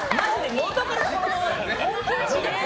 もとからこのまま！